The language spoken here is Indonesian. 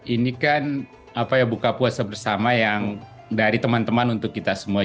ini kan buka puasa bersama yang dari teman teman untuk kita semua